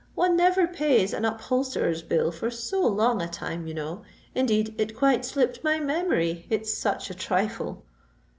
"One never pays an upholsterer's bill for so long a time, you know: indeed—it quite slipped my memory, it's such a trifle!"